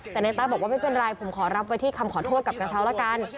แต่ในต้าบอกว่าไม่เป็นไรผมขอรับไว้ที่คำขอโทษกับกระเช้าละกัน